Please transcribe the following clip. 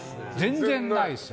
全然ないですよ。